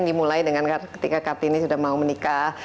dimulai dengan ketika kartini sudah mau menikah